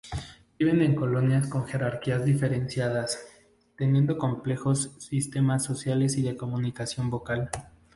Viven en colonias con jerarquías diferenciadas, teniendo complejos sistemas sociales y de comunicación vocal.